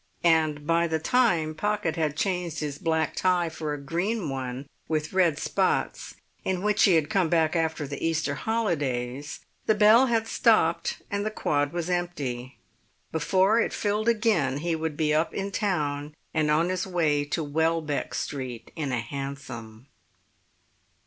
And by the time Pocket had changed his black tie for a green one with red spots, in which he had come back after the Easter holidays, the bell had stopped and the quad was empty; before it filled again he would be up in town and on his way to Welbeck Street in a hansom.